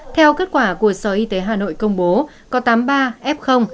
theo kết quả của sở y tế hà nội công bố có tám mươi ba f